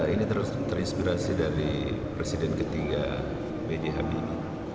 ini terinspirasi dari presiden ketiga bj habibie